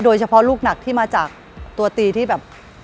ลูกหนักที่มาจากตัวตีที่แบบ